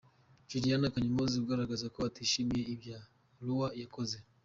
Juliana Kanyomozi agaragaza ko atishimiye ibyo Lwasa yakoze.